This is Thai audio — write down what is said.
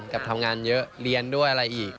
กับทำงานเยอะเรียนด้วยอะไรอีก